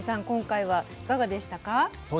今回はいかがでしたか？